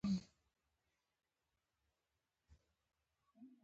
ونې که څه هم، اوس سپیرې ښکارېدې.